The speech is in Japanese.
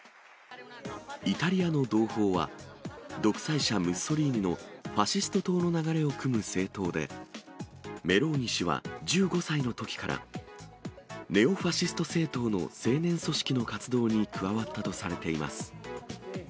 イタリアの同胞は、独裁者、ムッソリーニのファシスト党の流れをくむ政党で、メローニ氏は１５歳のときから、ネオ・ファシスト政党の青年組織の活動に加わったとされています。